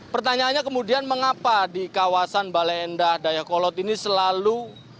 pertanyaannya kemudian mengapa di kawasan baleendah dayakolot ini selalu